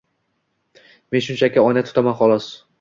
Men shunchaki oyna tutaman xolos.